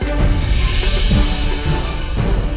tidak ada apa apa